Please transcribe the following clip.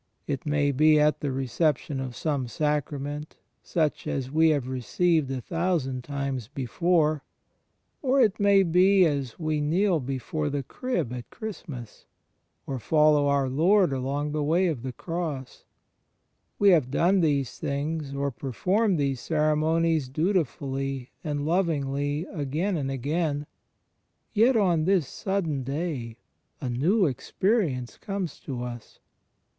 It may be at the reception of some sacrament, such as we have received a thousand times before; or it •"' l6 THE FRIENDSHIP OF CHRIST may be as we kneel before the Crib at Christinas, or follow oxir Lord along the Way of the Cross. We have done these things or performed those ceremonies duti fully and lovingly again and again; yet on this sudden day a new experience comes to us.